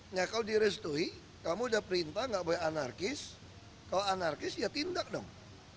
nah kalau direstui kamu sudah perintah nggak boleh anarkis kalau anarkis ya tindak dong